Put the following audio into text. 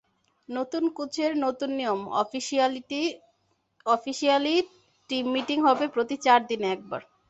নতুন কোচের নতুন নিয়ম—অফিশিয়ালি টিম মিটিং হবে প্রতি চার দিনে একবার।